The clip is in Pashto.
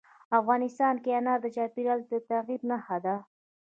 افغانستان کې انار د چاپېریال د تغیر نښه ده.